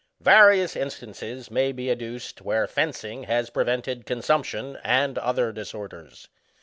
Various in stances may be adduced where fencing has prevented consumption and other disorders.